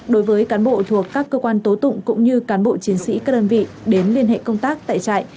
đối với cán bộ thuộc các cơ quan tố tụng cũng như cán bộ chiến sĩ các đơn vị đến liên hệ công tác tại trại